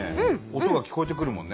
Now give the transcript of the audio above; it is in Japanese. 音が聞こえてくるもんね。